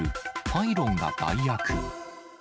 パイロンが代役。